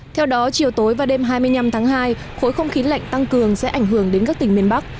theo đó chiều tối và đêm hai mươi năm tháng hai khối không khí lạnh tăng cường sẽ ảnh hưởng đến các tỉnh miền bắc